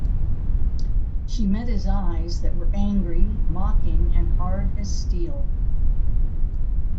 She met his eyes, that were angry, mocking, and hard as steel.